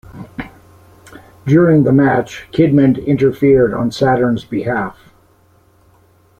During the match, Kidman interfered on Saturn's behalf.